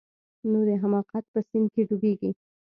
نو د حماقت په سيند کښې ډوبېږي.